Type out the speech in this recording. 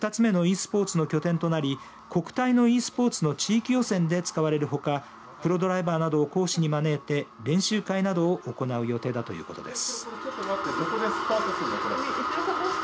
県内で２つ目のｅスポーツの拠点となり国体のｅスポーツの地域予選で使われるほかプロドライバーなどを講師に招いて練習会などを行う予定だということです。